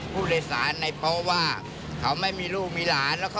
อ๋อคือตอนที่กระโดดนี้คือเดินมาบอก